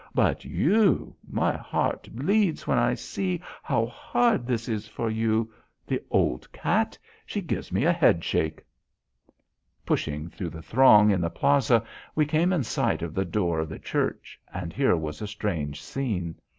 But you. My heart bleeds when I see how hard this is for you. The old cat! She gives me a head shake." Pushing through the throng in the plaza we came in sight of the door of the church, and here was a strange scene.